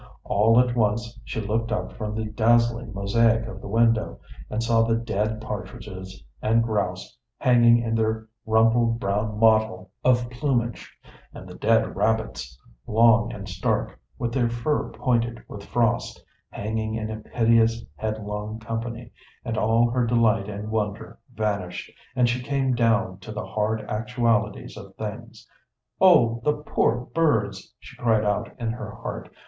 All at once she looked up from the dazzling mosaic of the window and saw the dead partridges and grouse hanging in their rumpled brown mottle of plumage, and the dead rabbits, long and stark, with their fur pointed with frost, hanging in a piteous headlong company, and all her delight and wonder vanished, and she came down to the hard actualities of things. "Oh, the poor birds!" she cried out in her heart.